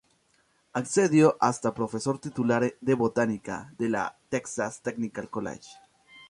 Accedió hasta profesor titular de Botánica, de la Texas Technical College.